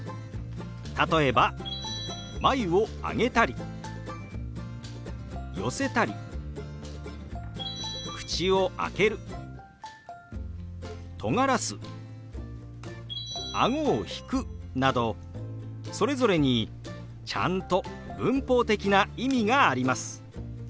例えば眉を上げたり寄せたり口を開けるとがらすあごを引くなどそれぞれにちゃんと文法的な意味があります。